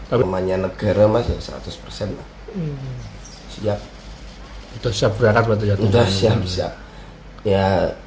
arizona keremasnya satus persen siap use various image ia